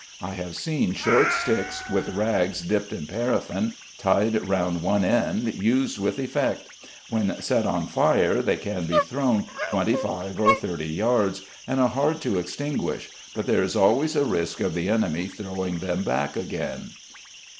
I have seen short sticks, with rags dipped in paraffin, tied round one end, used with effect; when set on fire they can be thrown 25 or 30 yards, and are hard to extinguish, but there is always a risk of the enemy throwing them back again.